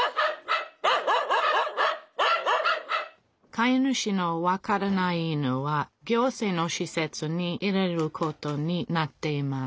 飼い主の分からない犬は行政のしせつに入れることになっています